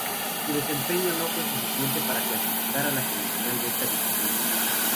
Su desempeño no fue suficiente para clasificar a la semifinal de esta disciplina.